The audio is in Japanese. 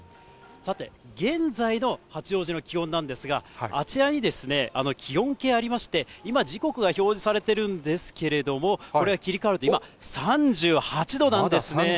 さて、現在の八王子の気温なんですが、あちらに気温計ありまして、今、時刻が表示されてるんですけれども、これが切り替わると今、３８度なんですね。